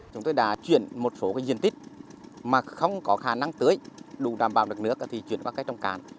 chúng tôi đã chuyển một số diện tích mà không có khả năng tưới đủ đảm bảo được nước thì chuyển qua cây trồng cạn